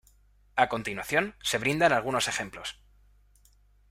A continuación se brindan algunos ejemplos.